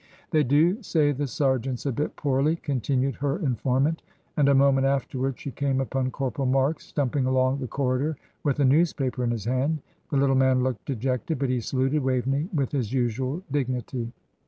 "They do say the sergeant's a bit poorly," continued her informant. And a moment afterwards she came upon Corporal Marks, stumping along the corridor with a newspaper in his hand. The little man looked dejected, but he saluted Waveney with his usual dignity.